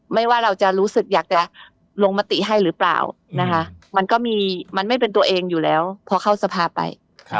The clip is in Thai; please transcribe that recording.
ว่าเราจะรู้สึกอยากจะลงมติให้หรือเปล่านะคะมันก็มีมันไม่เป็นตัวเองอยู่แล้วพอเข้าสภาไป